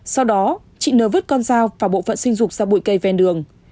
sau đó chị nờ vứt con dao và bộ phận sinh dục ra bụi cây ven đường